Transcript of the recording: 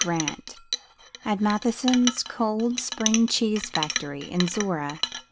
Grant at Matheson's Cold Spring Cheese Factory in Zorra, 1888.